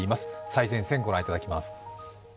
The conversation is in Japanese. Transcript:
最前線、御覧いただきます。